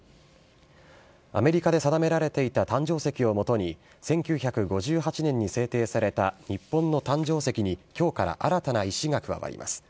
アメリカで定められていた誕生石をもとに、１９５８年に制定された日本の誕生石に、きょうから新たな石が加わります。